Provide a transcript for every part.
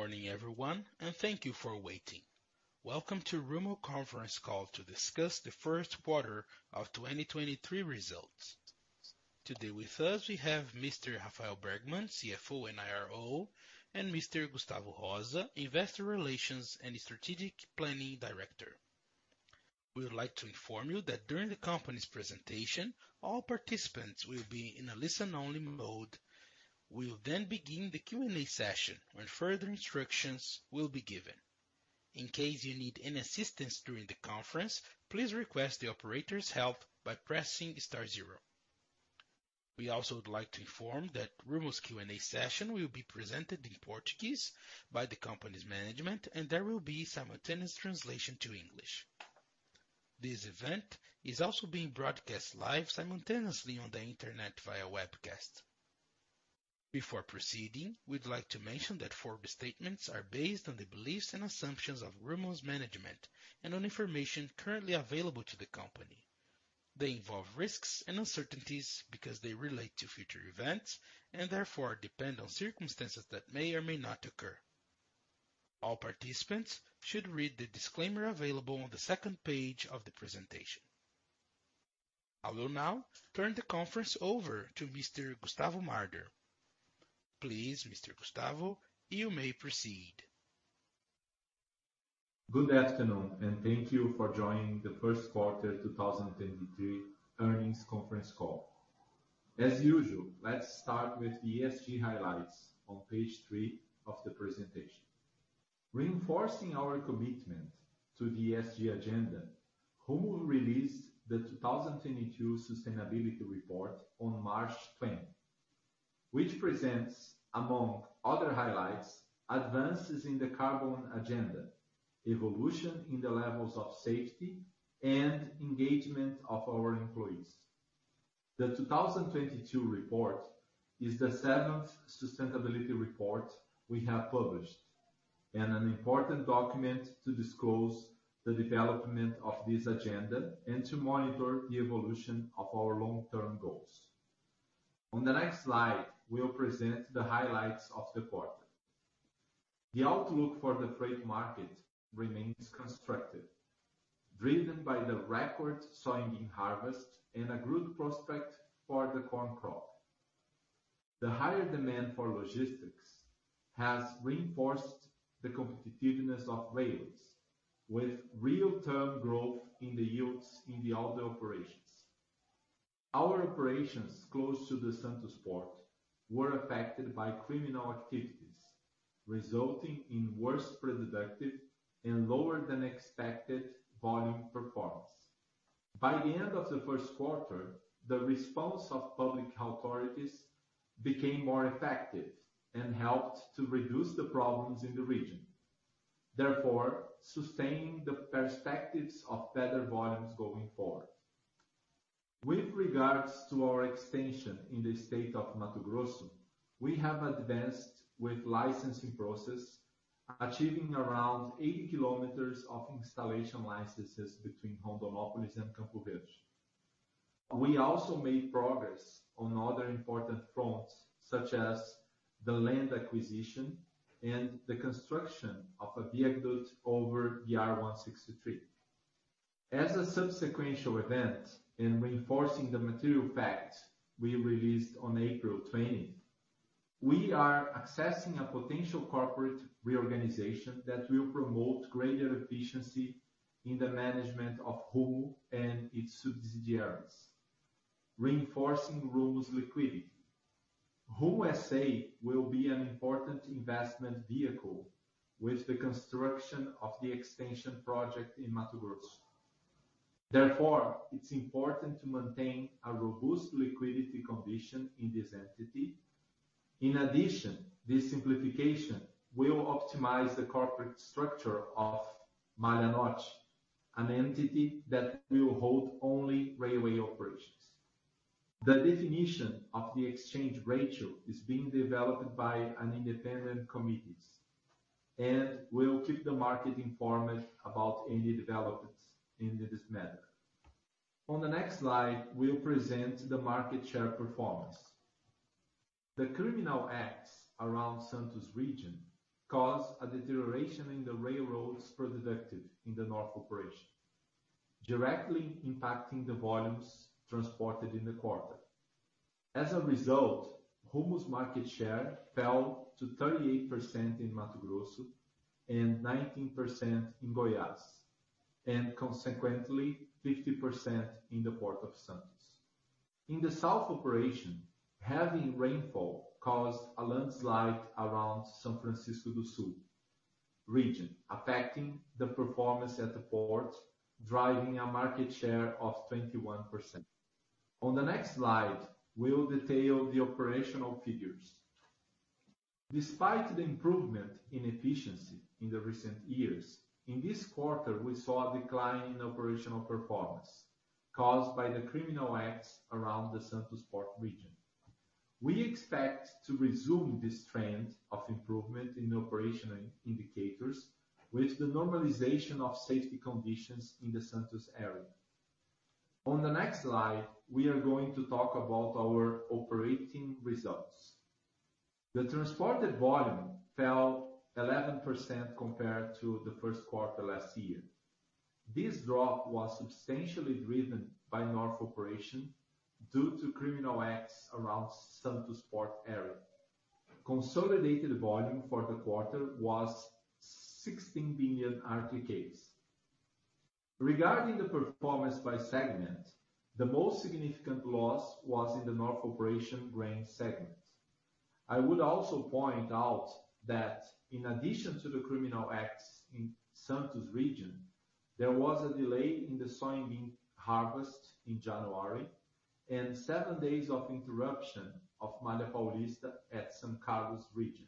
Good morning everyone. Thank you for waiting. Welcome to Rumo Conference Call to discuss the first quarter of 2023 results. Today with us we have Mr. Rafael Bergman, CFO and IRO, and Mr. Gustavo Rosa, Investor Relations and Strategic Planning Director. We would like to inform you that during the company's presentation, all participants will be in a listen-only mode. We will begin the Q&A session when further instructions will be given. In case you need any assistance during the conference, please request the operator's help by pressing star zero. We also would like to inform that Rumo's Q&A session will be presented in Portuguese by the company's management, and there will be simultaneous translation to English. This event is also being broadcast live simultaneously on the internet via webcast. Before proceeding, we'd like to mention that forward statements are based on the beliefs and assumptions of Rumo's management and on information currently available to the company. They involve risks and uncertainties because they relate to future events and therefore depend on circumstances that may or may not occur. All participants should read the disclaimer available on the second page of the presentation. I will now turn the conference over to Mr. Gustavo Marder. Please, Mr. Gustavo, you may proceed. Good afternoon, and thank you for joining the first quarter 2023 earnings conference call. As usual, let's start with the ESG highlights on page three of the presentation. Reinforcing our commitment to the ESG agenda, Rumo released the 2022 sustainability report on March 20, which presents, among other highlights, advances in the carbon agenda, evolution in the levels of safety and engagement of our employees. The 2022 report is the seventh sustainability report we have published and an important document to disclose the development of this agenda and to monitor the evolution of our long-term goals. On the next slide, we'll present the highlights of the quarter. The outlook for the freight market remains constructed, driven by the record sowing in harvest and a good prospect for the corn crop. The higher demand for logistics has reinforced the competitiveness of rails with real-term growth in the yields in the auto operations. Our operations close to the Port of Santos were affected by criminal activities, resulting in worse productive and lower than expected volume performance. By the end of the first quarter, the response of public authorities became more effective and helped to reduce the problems in the region, therefore sustaining the perspectives of better volumes going forward. With regards to our expansion in the state of Mato Grosso, we have advanced with licensing process, achieving around 80 km of installation licenses between Rondonópolis and Campo Verde. We also made progress on other important fronts, such as the land acquisition and the construction of a viaduct over the BR-163. As a subsequent event in reinforcing the material facts we released on April 20, we are assessing a potential corporate reorganization that will promote greater efficiency in the management of Rumo and its subsidiaries, reinforcing Rumo's liquidity. Rumo S.A. will be an important investment vehicle with the construction of the expansion project in Mato Grosso. It's important to maintain a robust liquidity condition in this entity. This simplification will optimize the corporate structure of Malha Norte, an entity that will hold only railway operations. The definition of the exchange ratio is being developed by an independent committee. We'll keep the market informed about any developments in this matter. On the next slide, we'll present the market share performance. The criminal acts around Santos region caused a deterioration in the railroad's productivity in the north operation, directly impacting the volumes transported in the quarter. A result, Rumo's market share fell to 38% in Mato Grosso and 19% in Goiás, consequently 50% in the port of Santos. In the south operation, heavy rainfall caused a landslide around São Francisco do Sul region, affecting the performance at the port, driving a market share of 21%. On the next slide, we'll detail the operational figures. Despite the improvement in efficiency in the recent years, in this quarter, we saw a decline in operational performance caused by the criminal acts around the Santos port region. We expect to resume this trend of improvement in operational indicators with the normalization of safety conditions in the Santos area. On the next slide, we are going to talk about our operating results. The transported volume fell 11% compared to the first quarter last year. This drop was substantially driven by North Operation due to criminal acts around Santos Port Area. Consolidated volume for the quarter was 16 billion RTKs. Regarding the performance by segment, the most significant loss was in the North Operation grain segment. I would also point out that in addition to the criminal acts in Santos Region, there was a delay in the soybean harvest in January and seven days of interruption of Malha Paulista at São Carlos region.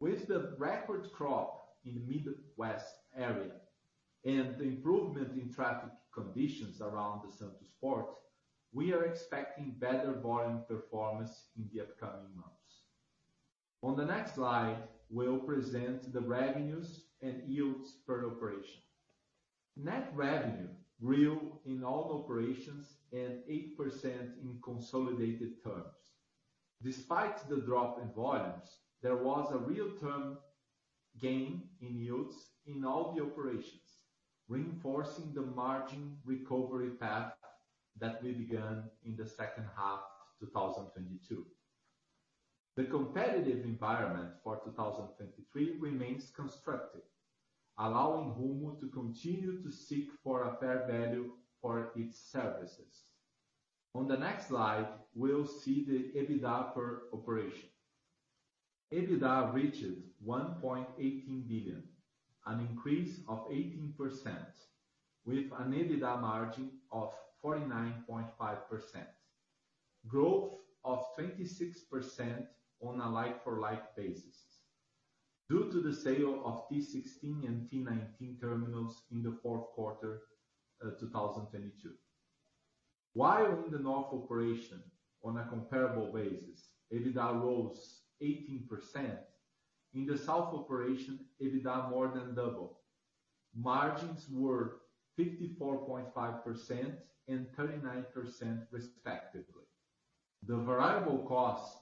With the record crop in the Midwest area and the improvement in traffic conditions around the Santos Port, we are expecting better volume performance in the upcoming months. On the next slide, we'll present the revenues and yields per operation. Net revenue grew in all operations 8% in consolidated terms. Despite the drop in volumes, there was a real term gain in yields in all the operations, reinforcing the margin recovery path that we began in the second half 2022. The competitive environment for 2023 remains constructive, allowing Rumo to continue to seek for a fair value for its services. On the next slide, we'll see the EBITDA per operation. EBITDA reached 1.18 billion, an increase of 18% with an EBITDA margin of 49.5%. Growth of 26% on a like-for-like basis due to the sale of T-16 and T-19 terminals in the fourth quarter 2022. In the North operation on a comparable basis, EBITDA rose 18%. In the South operation, EBITDA more than double. Margins were 54.5% and 39% respectively. The variable costs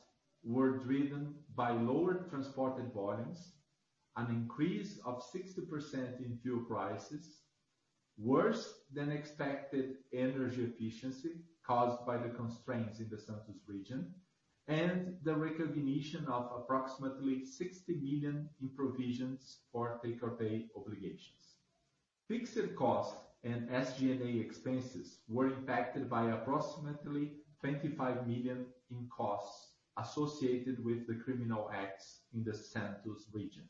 were driven by lower transported volumes, an increase of 60% in fuel prices, worse than expected energy efficiency caused by the constraints in the Santos region, and the recognition of approximately 60 million in provisions for take-or-pay obligations. Fixed costs and SG&A expenses were impacted by approximately 25 million in costs associated with the criminal acts in the Santos region.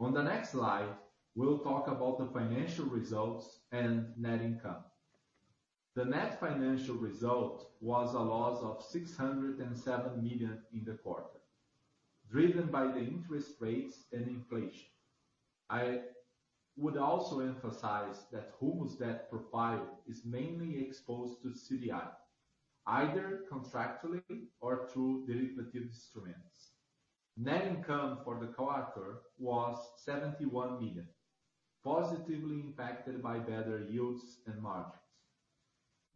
On the next slide, we'll talk about the financial results and net income. The net financial result was a loss of 607 million in the quarter, driven by the interest rates and inflation. I would also emphasize that Rumo's debt profile is mainly exposed to CDI, either contractually or through derivative instruments. Net income for the quarter was 71 million, positively impacted by better yields and margins.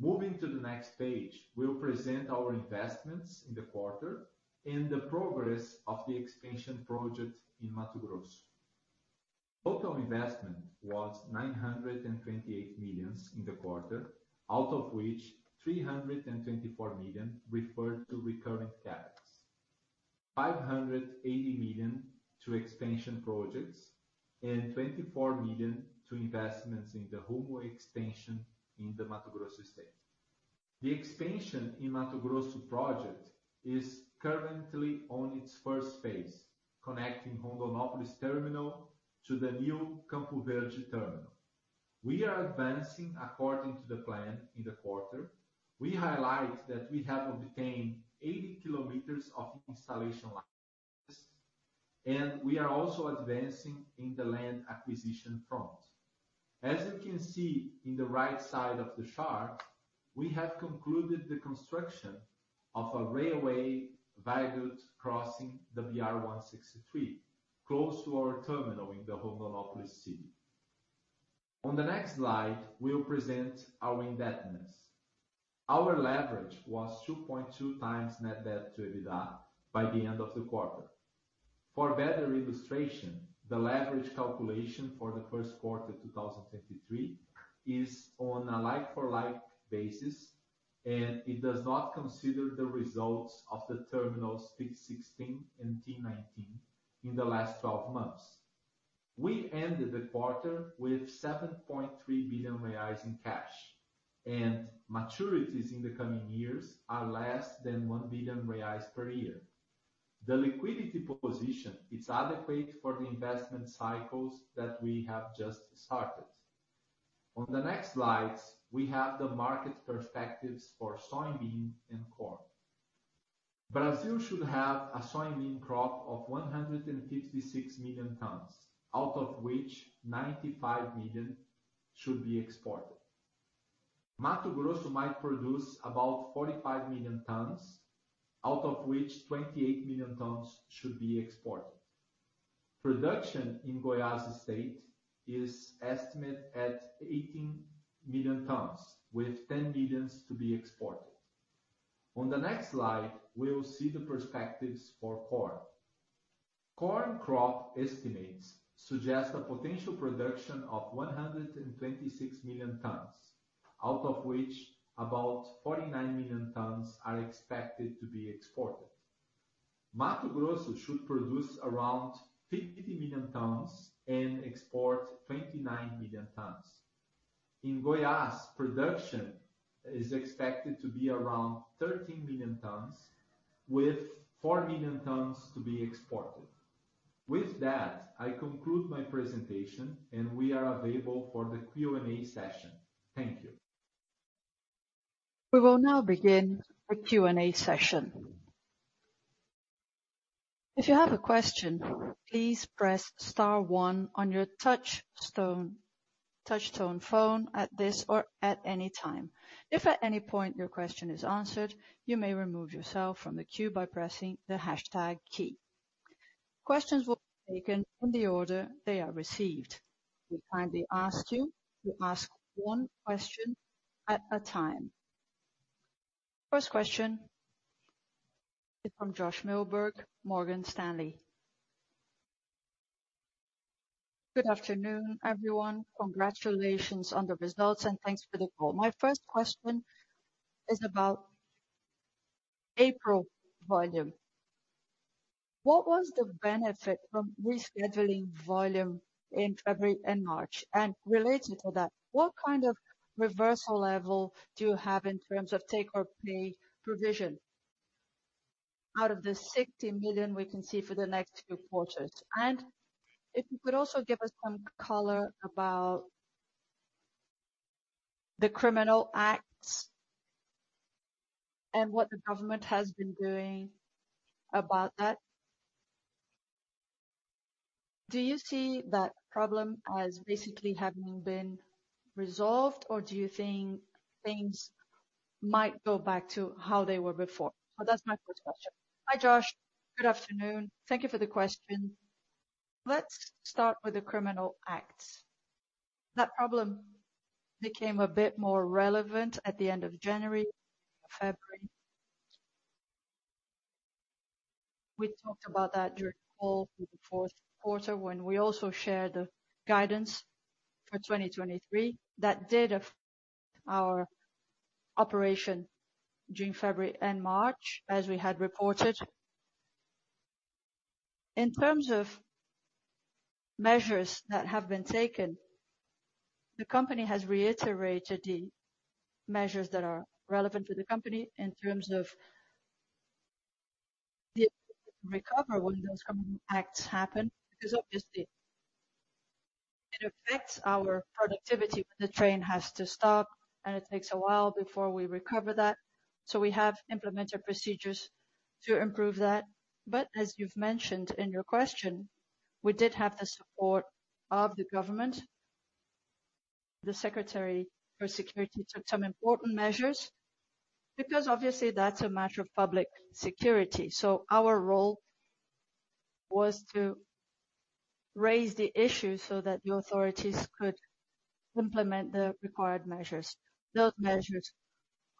Moving to the next page, we'll present our investments in the quarter and the progress of the expansion project in Mato Grosso. Total investment was 928 million in the quarter, out of which 324 million referred to recurring CapEx. 580 million to expansion projects, and 24 million to investments in the Rumo expansion in the Mato Grosso state. The expansion in Mato Grosso project is currently on its first phase, connecting Rondonópolis terminal to the new Campo Verde terminal. We are advancing according to the plan in the quarter. We highlight that we have obtained 80 km of installation lines, and we are also advancing in the land acquisition front. As you can see in the right side of the chart, we have concluded the construction of a railway viaduct crossing the BR-163, close to our terminal in the Rondonópolis city. On the next slide, we'll present our indebtedness. Our leverage was 2.2x net debt to EBITDA by the end of the quarter. For better illustration, the leverage calculation for the first quarter 2023 is on a like-for-like basis, and it does not consider the results of the terminals T-16 and T-19 in the last 12 months. We ended the quarter with 7.3 billion reais in cash, and maturities in the coming years are less than 1 billion reais per year. The liquidity position is adequate for the investment cycles that we have just started. On the next slides, we have the market perspectives for soybean and corn. Brazil should have a soybean crop of 156 million tons, out of which 95 million should be exported. Mato Grosso might produce about 45 million tons, out of which 28 million tons should be exported. Production in Goiás State is estimated at 18 million tons, with 10 millions to be exported. On the next slide, we'll see the perspectives for corn. Corn crop estimates suggest a potential production of 126 million tons, out of which about 49 million tons are expected to be exported. Mato Grosso should produce around 50 million tons and export 29 million tons. In Goiás, production is expected to be around 13 million tons, with 4 million tons to be exported. With that, I conclude my presentation and we are available for the Q&A session. Thank you. We will now begin the Q&A session. If you have a question, please press star one on your touch-tone phone at this or at any time. If at any point your question is answered, you may remove yourself from the queue by pressing the hashtag key. Questions will be taken in the order they are received. We kindly ask you to ask one question at a time. First question is from Josh Milberg, Morgan Stanley. Good afternoon, everyone. Congratulations on the results, thanks for the call. My first question is about April volume. What was the benefit from rescheduling volume in February and March? Related to that, what kind of reversal level do you have in terms of take-or-pay provision out of the 60 million we can see for the next few quarters? If you could also give us some color about the criminal acts and what the government has been doing about that. Do you see that problem as basically having been resolved, or do you think things might go back to how they were before? That's my first question. Hi, Josh. Good afternoon. Thank you for the question. Let's start with the criminal acts. That problem became a bit more relevant at the end of January, February. We talked about that during the call for the fourth quarter when we also shared the guidance for 2023 that did affect our operation during February and March, as we had reported. In terms of measures that have been taken, the company has reiterated the measures that are relevant to the company in terms of the recovery when those criminal acts happen, because obviously it affects our productivity when the train has to stop, and it takes a while before we recover that. We have implemented procedures to improve that. As you've mentioned in your question, we did have the support of the Government. The Secretary for Security took some important measures because obviously that's a matter of public security. Our role was to raise the issue so that the authorities could implement the required measures. Those measures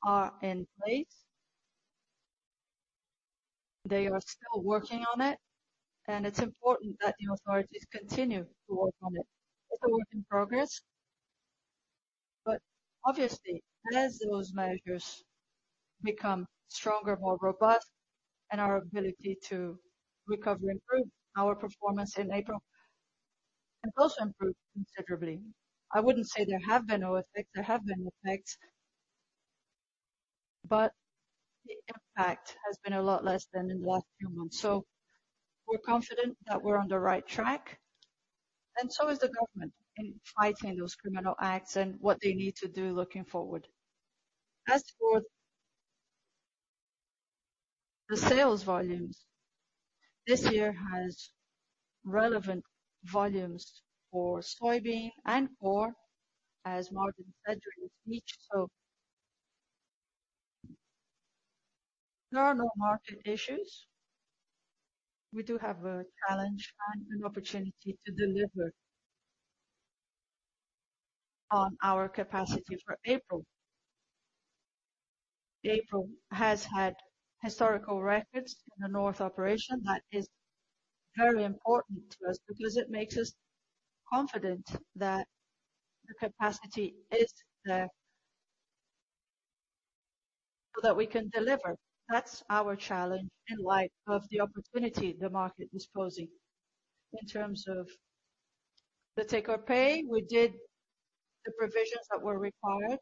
are in place. They are still working on it, and it's important that the authorities continue to work on it. It's a work in progress. Obviously, as those measures become stronger, more robust, and our ability to recover improve, our performance in April can also improve considerably. I wouldn't say there have been no effects. There have been effects. The impact has been a lot less than in the last few months. We're confident that we're on the right track and so is the government in fighting those criminal acts and what they need to do looking forward. As for the sales volumes, this year has relevant volumes for soybean and corn, as Marder said, in each. There are no market issues. We do have a challenge and an opportunity to deliver on our capacity for April. April has had historical records in the North operation. That is very important to us because it makes us confident that the capacity is there so that we can deliver. That's our challenge in light of the opportunity the market is posing. In terms of the take-or-pay, we did the provisions that were required.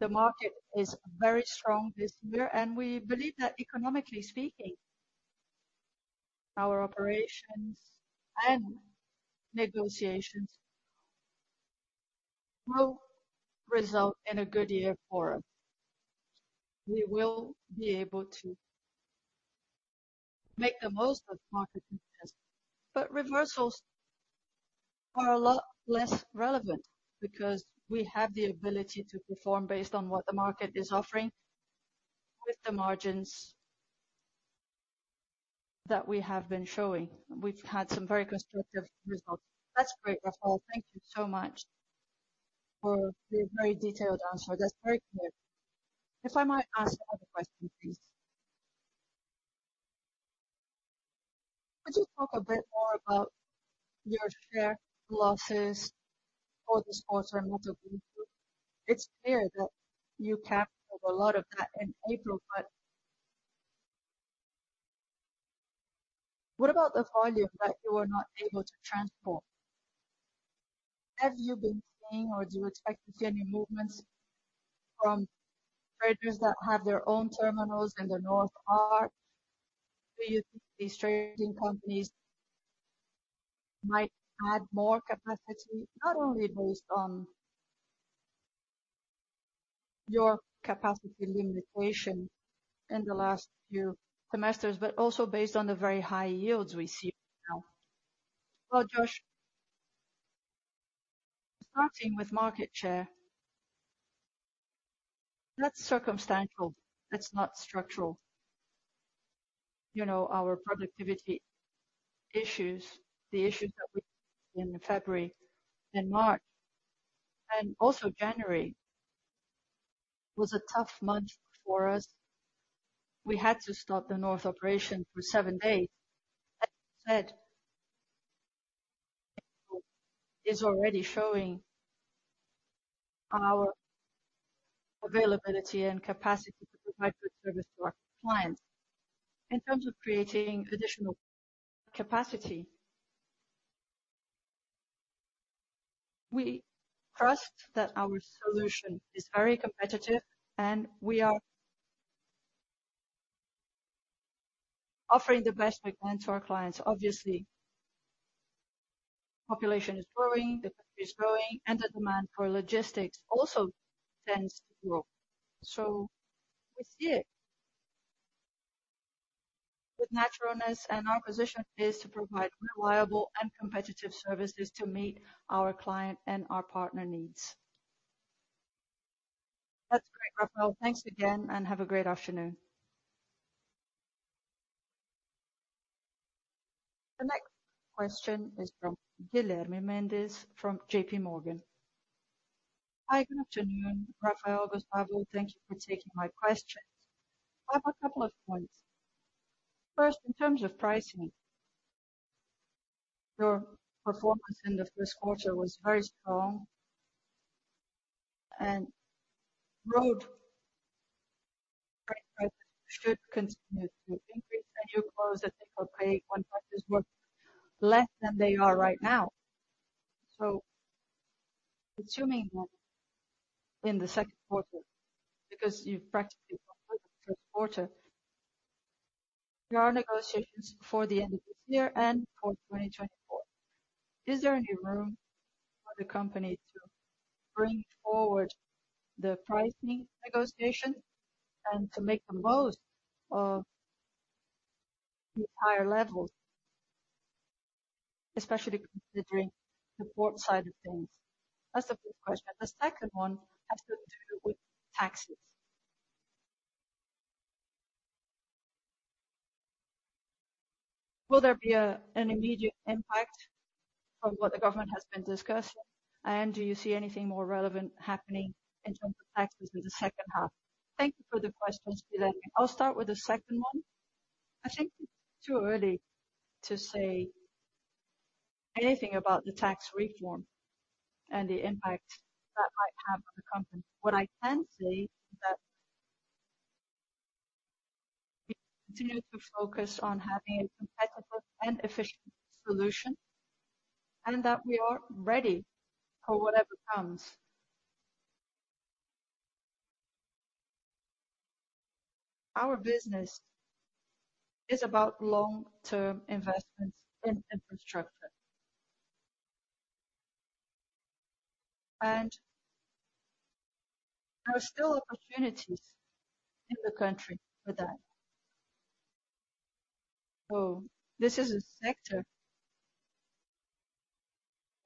The market is very strong this year, we believe that economically speaking, our operations and negotiations will result in a good year for us. We will be able to make the most of market interest. Reversals are a lot less relevant because we have the ability to perform based on what the market is offering with the margins that we have been showing. We've had some very constructive results. That's great, Rafael. Thank you so much for the very detailed answer. That's very clear. If I might ask another question, please. Could you talk a bit more about your share losses for this quarter and what they've been through? It's clear that you captured a lot of that in April, but what about the volume that you were not able to transport? Have you been seeing or do you expect to see any movements from traders that have their own terminals in the North Arc? Do you think these trading companies might add more capacity, not only based on your capacity limitation in the last few semesters, but also based on the very high yields we see now? Well, Josh, starting with market share, that's circumstantial, that's not structural. You know, our productivity issues, the issues that we had in February and March, and also January was a tough month for us. We had to stop the North operation for seven days. As you said, April is already showing our availability and capacity to provide good service to our clients. In terms of creating additional capacity, we trust that our solution is very competitive, and we are offering the best we can to our clients. Obviously, population is growing, the country is growing, and the demand for logistics also tends to grow. We see it with naturalness, and our position is to provide reliable and competitive services to meet our client and our partner needs. That's great, Rafael. Thanks again, and have a great afternoon. The next question is from Guilherme Mendes from JPMorgan. Hi, good afternoon, Rafael, Gustavo. Thank you for taking my questions. I have a couple of points. First, in terms of pricing, your performance in the first quarter was very strong, road freight prices should continue to increase. You close, I think, okay, when prices were less than they are right now. Assuming that in the second quarter, because you've practically completed the first quarter, there are negotiations before the end of this year and for 2024. Is there any room for the company to bring forward the pricing negotiation and to make the most of the higher levels, especially considering the port side of things? That's the first question. The second one has to do with taxes. Will there be an immediate impact from what the government has been discussing? Do you see anything more relevant happening in terms of taxes in the second half? Thank you for the questions, Guilherme. I'll start with the second one. I think it's too early to say anything about the tax reform and the impact that might have on the company. What I can say is that we continue to focus on having a competitive and efficient solution, and that we are ready for whatever comes. Our business is about long-term investments in infrastructure. There are still opportunities in the country for that. This is a sector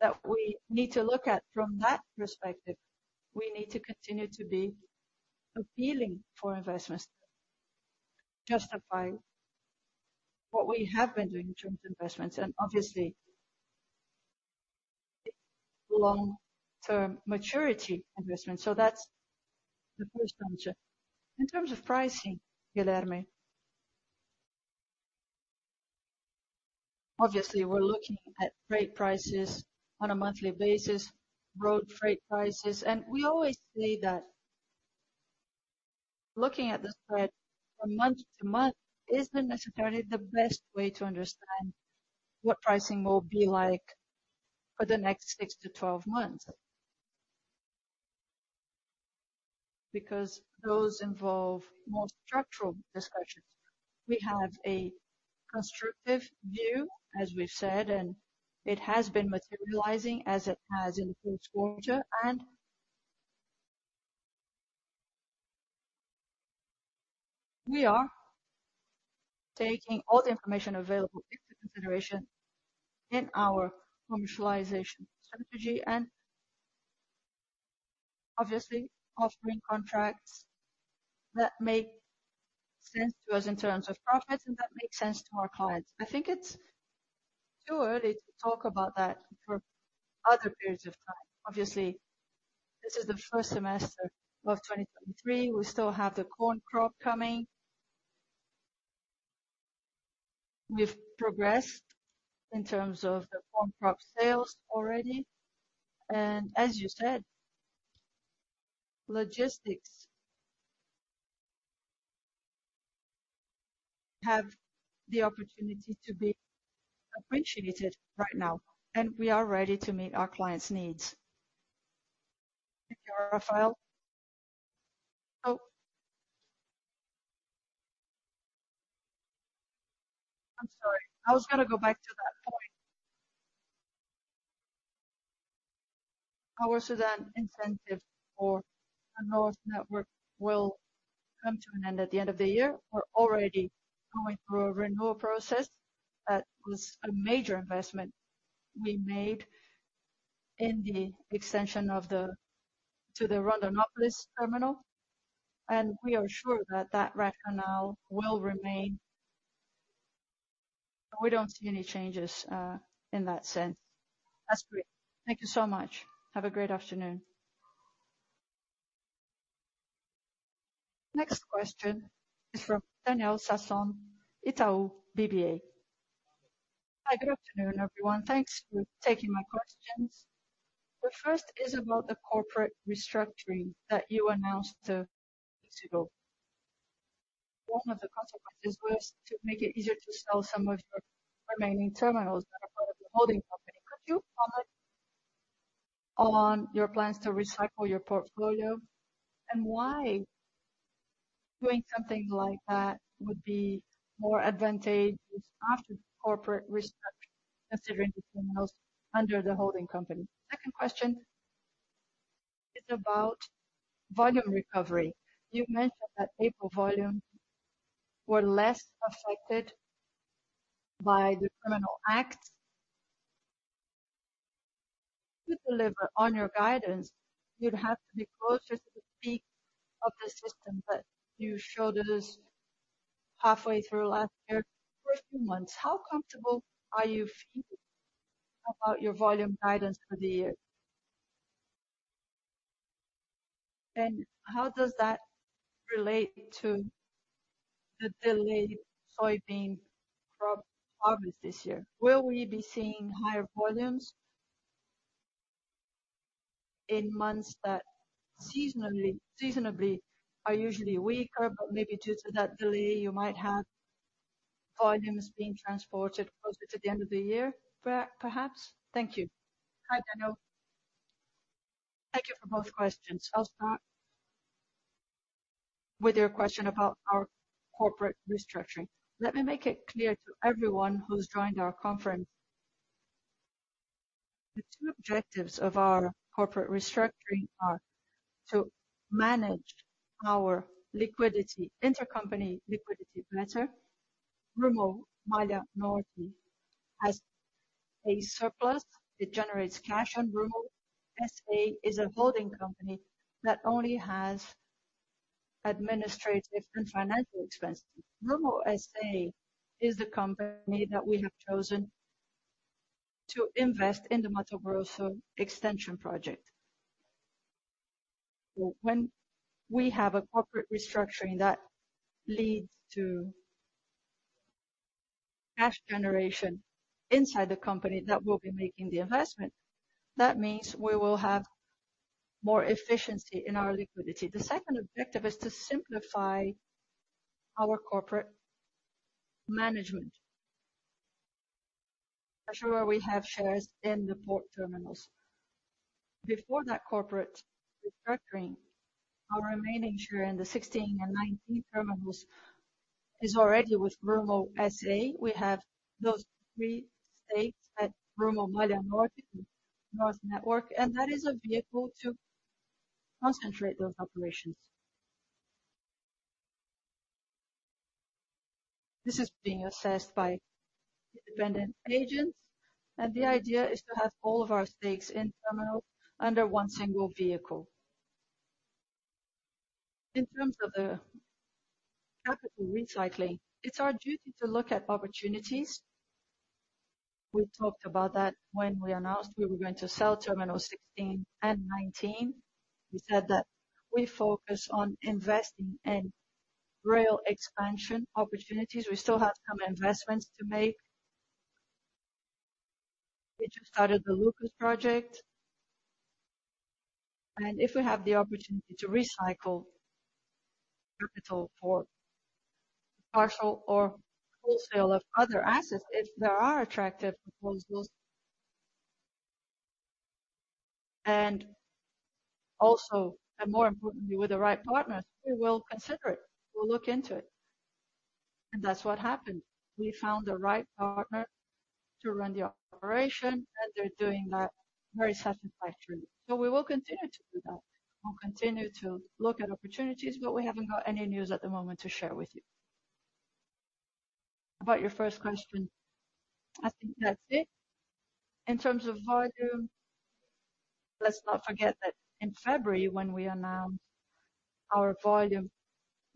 that we need to look at from that perspective. We need to continue to be appealing for investments, justifying what we have been doing in terms of investments, and obviously long-term maturity investments. That's the first answer. In terms of pricing, Guilherme, obviously we're looking at freight prices on a monthly basis, road freight prices, and we always say that looking at the spread from month-to-month isn't necessarily the best way to understand what pricing will be like for the next six-12 months, because those involve more structural discussions. We have a constructive view, as we've said, and it has been materializing as it has in the first quarter. We are taking all the information available into consideration in our commercialization strategy and obviously offering contracts that make sense to us in terms of profits and that make sense to our clients. I think it's too early to talk about that for other periods of time. Obviously, this is the first semester of 2023. We still have the corn crop coming. We've progressed in terms of the corn crop sales already, and as you said, logistics have the opportunity to be appreciated right now, and we are ready to meet our clients' needs. Oh. I'm sorry. I was gonna go back to that point. Our SUDAM incentive for our Malha Norte network will come to an end at the end of the year. We're already going through a renewal process. That was a major investment we made in the extension to the Rondonópolis terminal, and we are sure that that rationale will remain. We don't see any changes in that sense. That's great. Thank you so much. Have a great afternoon. Next question is from Daniel Sasson, Itaú BBA. Hi. Good afternoon, everyone. Thanks for taking my questions. The first is about the corporate restructuring that you announced, weeks ago. One of the consequences was to make it easier to sell some of your remaining terminals that are part of the holding company. Could you comment on your plans to recycle your portfolio, and why doing something like that would be more advantageous after the corporate restructure, considering the terminals under the holding company? Second question is about volume recovery. You've mentioned that April volume were less affected by the criminal act. To deliver on your guidance, you'd have to be closer to the peak of the system that you showed us halfway through last year for a few months. How comfortable are you feeling about your volume guidance for the year? How does that relate to the delayed soybean crop harvest this year? Will we be seeing higher volumes in months that seasonably are usually weaker, but maybe due to that delay, you might have volumes being transported closer to the end of the year perhaps? Thank you. Hi, Daniel. Thank you for both questions. I'll start with your question about our corporate restructuring. Let me make it clear to everyone who's joined our conference, the two objectives of our corporate restructuring are to manage our liquidity, intercompany liquidity better. Rumo Malha Norte has a surplus. It generates cash, and Rumo S.A. is a holding company that only has administrative and financial expenses. Rumo S.A. is the company that we have chosen to invest in the Mato Grosso extension project. When we have a corporate restructuring that leads to cash generation inside the company that will be making the investment, that means we will have more efficiency in our liquidity. The second objective is to simplify our corporate management. I'm sure we have shares in the port terminals. Before that corporate restructuring, our remaining share in the 16 and 19 terminals is already with Rumo S.A. We have those three stakes at Rumo Malha Norte, North Network, and that is a vehicle to concentrate those operations. This is being assessed by independent agents, and the idea is to have all of our stakes in terminals under one single vehicle. In terms of the capital recycling, it's our duty to look at opportunities. We talked about that when we announced we were going to sell Terminal 16 and 19. We said that we focus on investing in rail expansion opportunities. We still have some investments to make. We just started the Lucas project. If we have the opportunity to recycle capital for partial or wholesale of other assets, if there are attractive proposals and also, and more importantly, with the right partners, we will consider it. We'll look into it. That's what happened. We found the right partner to run the operation, and they're doing that very satisfactorily. We will continue to do that. We'll continue to look at opportunities, but we haven't got any news at the moment to share with you. About your first question, I think that's it. In terms of volume, let's not forget that in February, when we announced our volume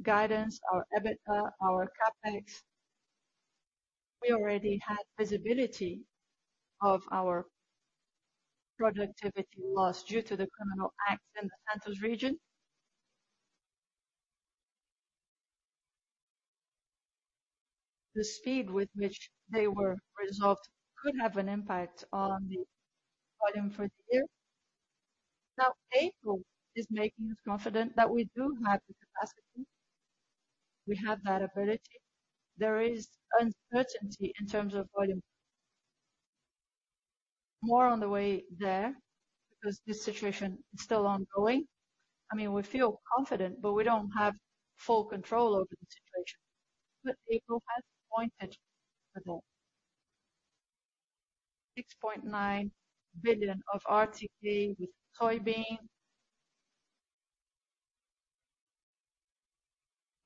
guidance, our EBITDA, our CapEx, we already had visibility of our productivity loss due to the criminal acts in the Santos region. The speed with which they were resolved could have an impact on the volume for the year. April is making us confident that we do have the capacity, we have that ability. There is uncertainty in terms of volume. More on the way there because this situation is still ongoing. I mean, we feel confident, but we don't have full control over the situation. April has pointed to that. 6.9 billion RTK with soybean,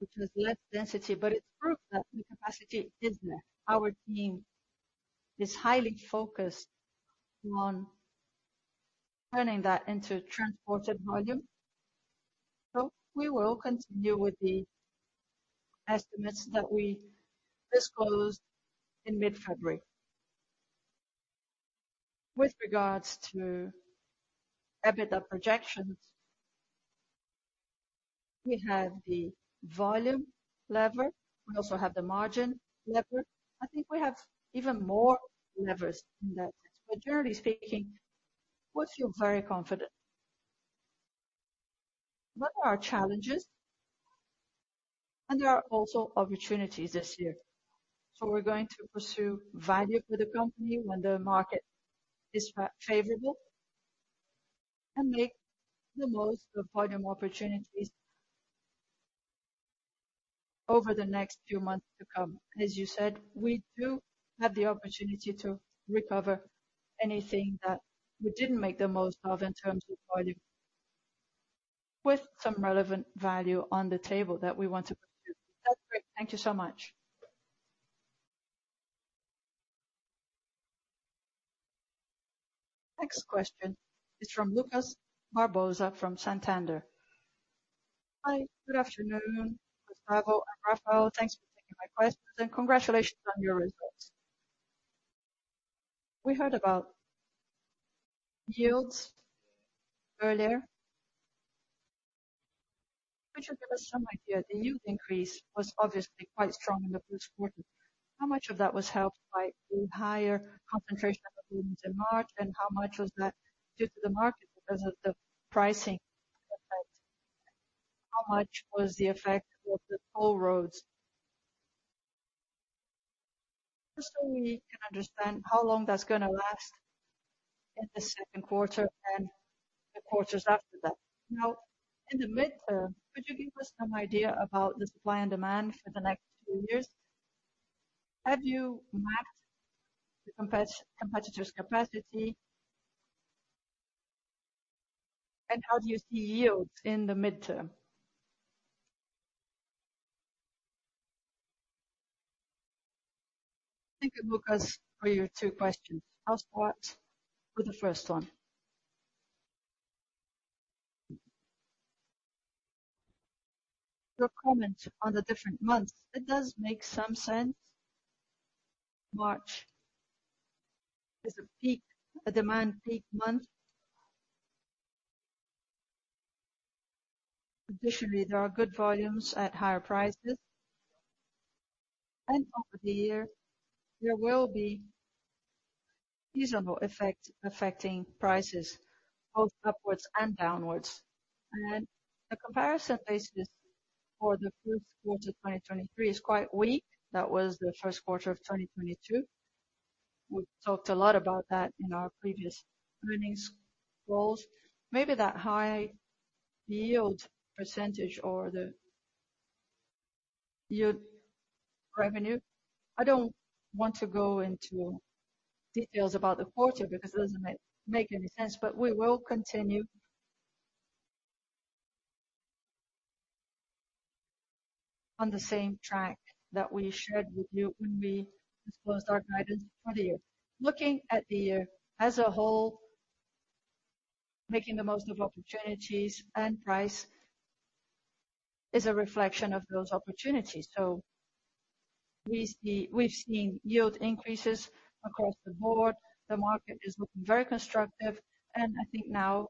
which was less density, but it's proof that the capacity is there. Our team is highly focused on turning that into transported volume. We will continue with the estimates that we disclosed in mid-February. With regards to EBITDA projections, we have the volume lever. We also have the margin lever. I think we have even more levers than that. Generally speaking, we feel very confident. There are challenges, and there are also opportunities this year. We're going to pursue value for the company when the market is favorable and make the most of volume opportunities over the next few months to come. As you said, we do have the opportunity to recover anything that we didn't make the most of in terms of volume with some relevant value on the table that we want to pursue. That's great. Thank you so much. Next question is from Lucas Barbosa from Santander. Hi, good afternoon, Gustavo and Rafael. Thanks for taking my questions, and congratulations on your results. We heard about yields earlier. Could you give us some idea, the yield increase was obviously quite strong in the first quarter? How much of that was helped by the higher concentration of volumes in March, how much was that due to the market because of the pricing effect? How much was the effect of the toll roads? Just so we can understand how long that's gonna last in the second quarter and the quarters after that. In the midterm, could you give us some idea about the supply and demand for the next two years? Have you mapped the competitors' capacity? How do you see yields in the midterm? Thank you, Lucas, for your two questions. I'll start with the first one. Your comment on the different months, it does make some sense. March is a peak a demand peak month. There are good volumes at higher prices. Over the year, there will be seasonal effects affecting prices both upwards and downwards. The comparison basis for the first quarter 2023 is quite weak. That was the first quarter of 2022. We talked a lot about that in our previous earnings calls. Maybe that high yield percentage or the yield revenue, I don't want to go into details about the quarter because it doesn't make any sense. We will continue on the same track that we shared with you when we disclosed our guidance for the year. Looking at the year as a whole, making the most of opportunities and price is a reflection of those opportunities. We've seen yield increases across the board. The market is looking very constructive, and I think now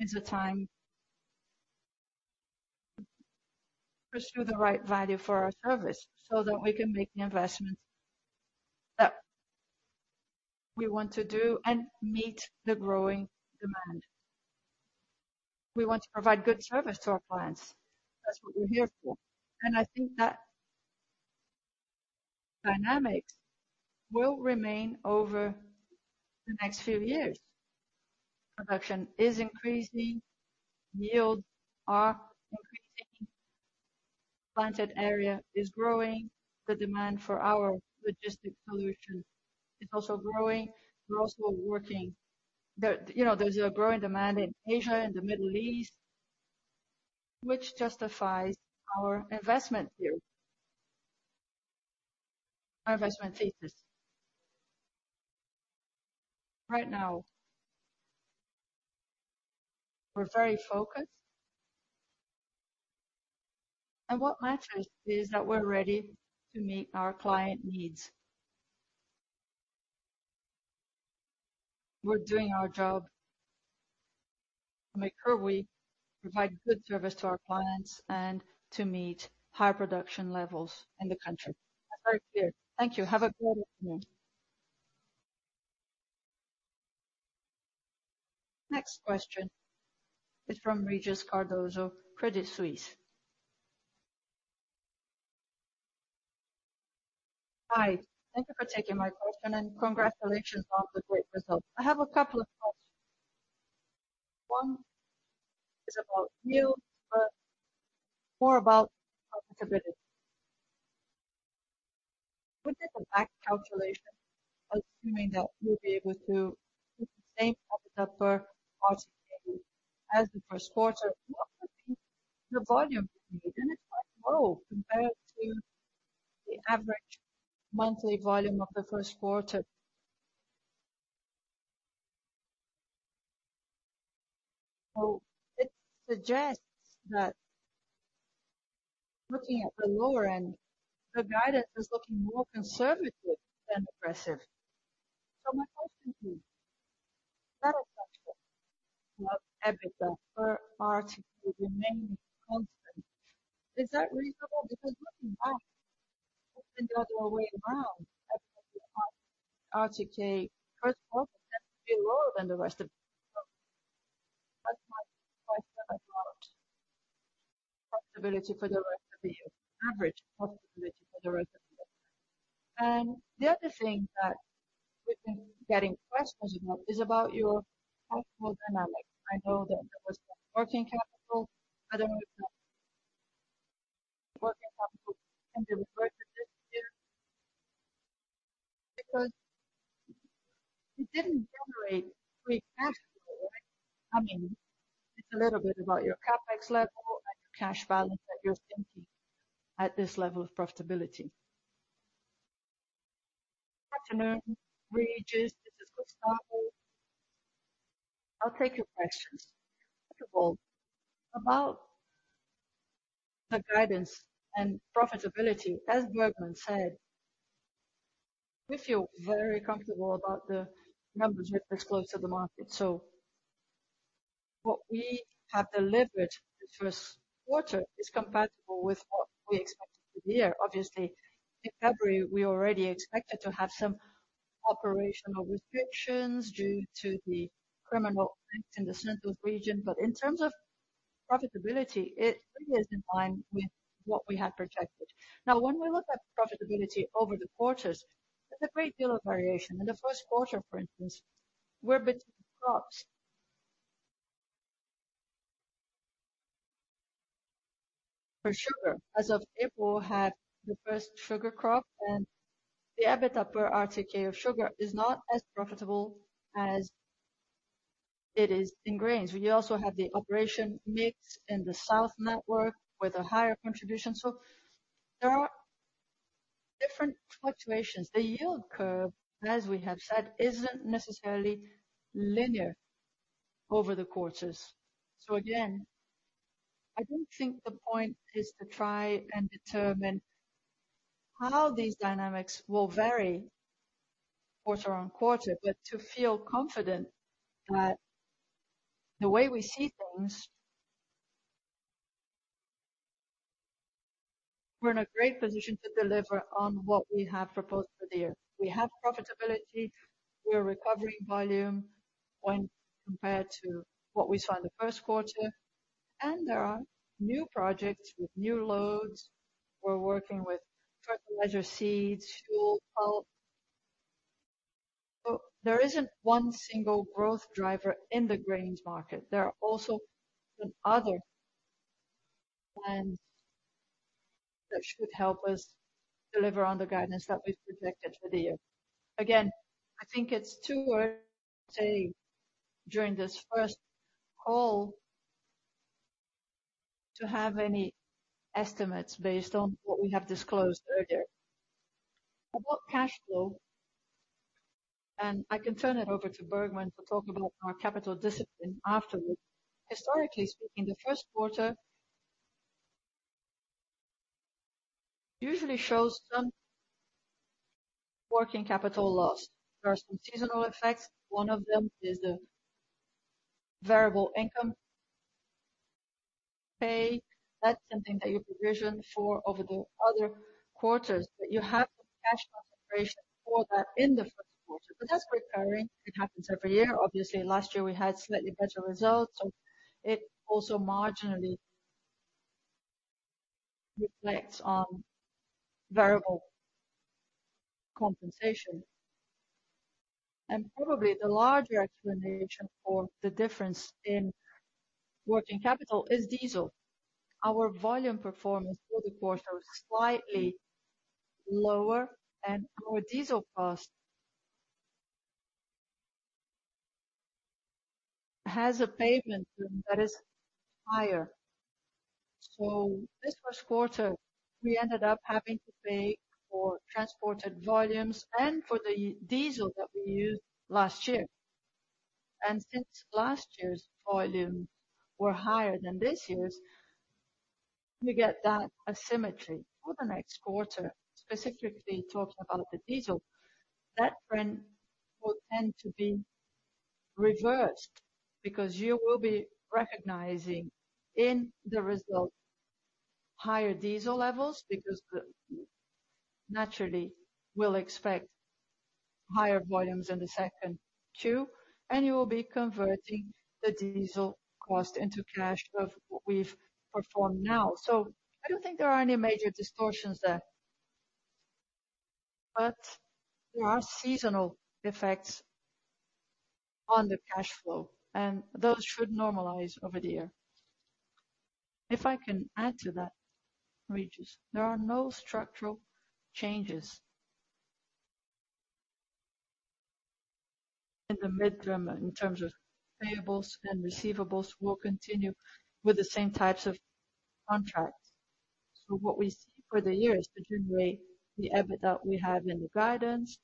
is the time to pursue the right value for our service so that we can make the investments that we want to do and meet the growing demand. We want to provide good service to our clients. That's what we're here for. I think that dynamics will remain over the next few years. Production is increasing, yields are increasing, planted area is growing. The demand for our logistic solution is also growing. We're also working You know, there's a growing demand in Asia and the Middle East, which justifies our investment view, our investment thesis. Right now, we're very focused. What matters is that we're ready to meet our client needs. We're doing our job to make sure we provide good service to our clients and to meet high production levels in the country. That's very clear. Thank you. Have a great afternoon. Next question is from Regis Cardoso, Credit Suisse. Hi, thank you for taking my question and congratulations on the great results. I have a couple of questions. One is about you, but more about profitability. We did the back calculation, assuming that you'll be able to keep the same profit per RTK as the first quarter. What would be the volume you need? It's quite low compared to the average monthly volume of the first quarter. It suggests that looking at the lower end, the guidance is looking more conservative than aggressive. My question to you Good afternoon, Regis. This is Gustavo. I'll take your questions. First of all, about the guidance and profitability. As Bergman said, we feel very comfortable about the numbers we have disclosed to the market. What we have delivered in the first quarter is compatible with what we expected for the year. Obviously, in February, we already expected to have some operational restrictions due to the criminal acts in the Central region. In terms of profitability, it really is in line with what we had projected. When we look at profitability over the quarters, there's a great deal of variation. In the first quarter, for instance, we're between crops. For sugar, as of April, had the first sugar crop, and the EBITDA per RTK of sugar is not as profitable as it is in grains. We also have the operation mix in the south network with a higher contribution. There are different fluctuations. The yield curve, as we have said, isn't necessarily linear over the quarters. Again, I don't think the point is to try and determine how these dynamics will vary quarter-on-quarter, but to feel confident that the way we see things, we're in a great position to deliver on what we have proposed for the year. We have profitability. We are recovering volume when compared to what we saw in the first quarter. There are new projects with new loads. We're working with treasure seeds, fuel, pulp. There isn't one single growth driver in the grains market. There are also some other plans that should help us deliver on the guidance that we've projected for the year. I think it's too early to say during this first call to have any estimates based on what we have disclosed earlier. About cash flow, I can turn it over to Bergman to talk about our capital discipline afterwards. Historically speaking, the first quarter usually shows some working capital loss. There are some seasonal effects. One of them is the variable income pay. That's something that you provision for over the other quarters, but you have the cash concentration for that in the first quarter. That's recurring. It happens every year. Obviously, last year we had slightly better results, it also marginally reflects on variable compensation. Probably the larger explanation for the difference in working capital is diesel. Our volume performance for the quarter was slightly lower, our diesel cost has a payment that is higher. This first quarter, we ended up having to pay for transported volumes and for the diesel that we used last year. Since last year's volumes were higher than this year's, we get that asymmetry. For the next quarter, specifically talking about the diesel, that trend will tend to be reversed because you will be recognizing in the results higher diesel levels. Naturally, we'll expect higher volumes in the second Q, and you will be converting the diesel cost into cash of what we've performed now. I don't think there are any major distortions there. There are seasonal effects on the cash flow, and those should normalize over the year. If I can add to that, Regis, there are no structural changes in the midterm in terms of payables and receivables will continue with the same types of contracts. What we see for the year is to generate the EBIT that we have in the guidance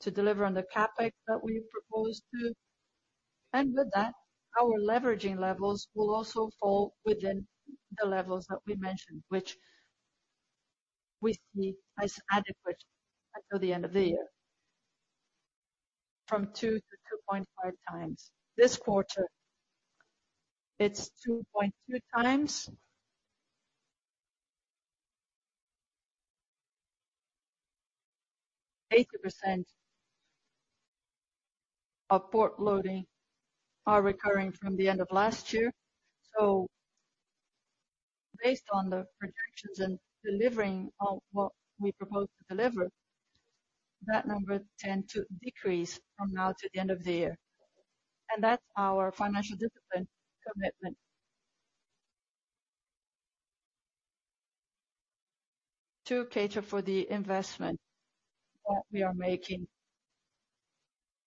to deliver on the CapEx that we propose to. With that, our leveraging levels will also fall within the levels that we mentioned, which we see as adequate until the end of the year, from 2x-2.5x. This quarter, it's 2.2x. 80% of port loading are recurring from the end of last year. Based on the projections and delivering on what we propose to deliver, that number tend to decrease from now to the end of the year. That's our financial discipline commitment to cater for the investment that we are making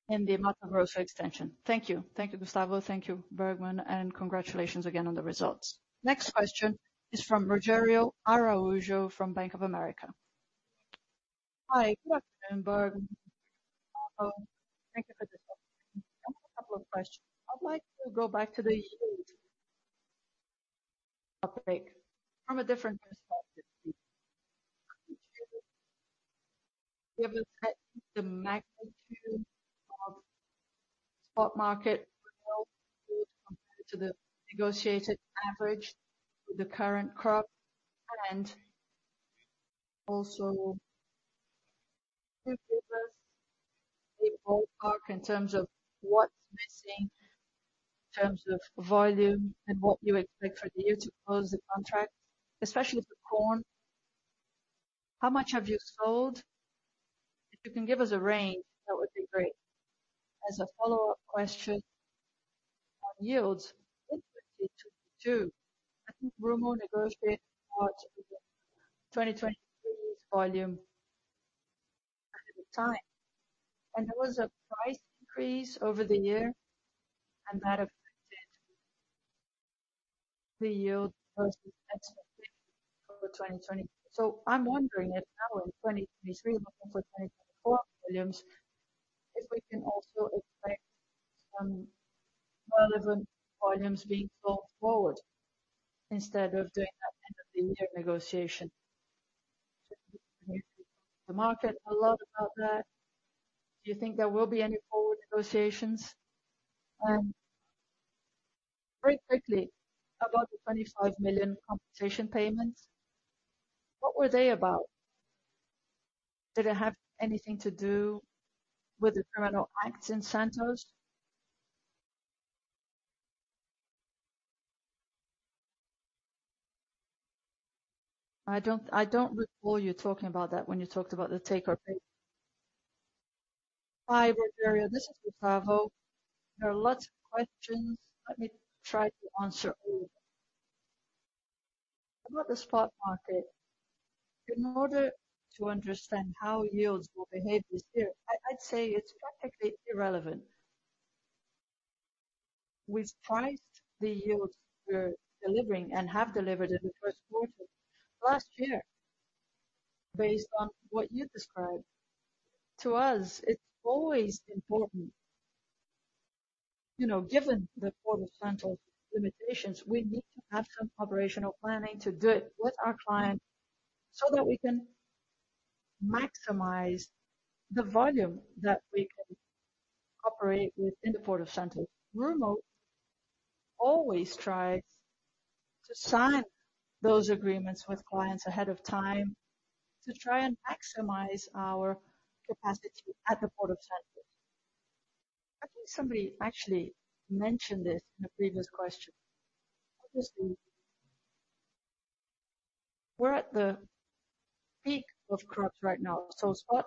in the Mato Grosso extension. Thank you. Thank you, Gustavo. Thank you, Bergman, and congratulations again on the results. Next question is from Rogerio Araujo from Bank of America. Hi, good afternoon, Berg. Thank you for the call. I have a couple of questions. I'd like to go back to the yield topic from a different perspective. We haven't had the magnitude of spot market compared to the negotiated average with the current crop. Also can you give us a ballpark in terms of what's missing in terms of volume and what you expect for you to close the contract, especially for corn. How much have you sold? If you can give us a range, that would be great. As a follow-up question on yields, in 2022, I think Rumo negotiated much of the 2023's volume ahead of time, and there was a price increase over the year, and that affected the yield versus estimate for the 2020. I'm wondering if now in 2023, looking for 2024 volumes, if we can also expect some relevant volumes being brought forward instead of doing that end of the year negotiation. The market, a lot about that. Do you think there will be any forward negotiations? Very quickly, about the 25 million compensation payments, what were they about? Did it have anything to do with the criminal acts in Santos? I don't recall you talking about that when you talked about the take-or-pay. Hi, Rogerio, this is Gustavo. There are lots of questions. Let me try to answer all of them. About the spot market, in order to understand how yields will behave this year, I'd say it's practically irrelevant. We've priced the yields we're delivering and have delivered in the first quarter last year based on what you described. To us, it's always important. You know, given the Port of Santos limitations, we need to have some operational planning to do it with our clients so that we can maximize the volume that we can operate with in the Port of Santos. Rumo always tries to sign those agreements with clients ahead of time to try and maximize our capacity at the Port of Santos. Somebody actually mentioned this in a previous question. Obviously, we're at the peak of crops right now, so spot